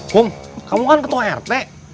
kum kamu kan ketua rt